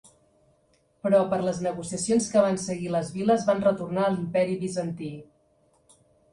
Però per les negociacions que van seguir les viles van retornar a l'Imperi Bizantí.